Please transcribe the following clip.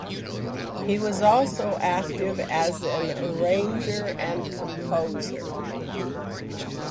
He was also active as an arranger and composer.